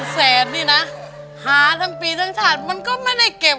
แสนนี่นะหาทั้งปีทั้งชาติมันก็ไม่ได้เก็บ